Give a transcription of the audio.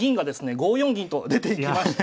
５四銀と出ていきまして。